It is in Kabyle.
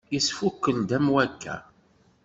Yesfukel-d am wakka.